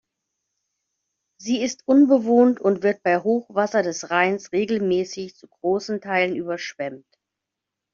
Sie ist unbewohnt und wird bei Hochwasser des Rheins regelmäßig zu großen Teilen überschwemmt.